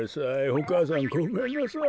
お母さんごめんなさい。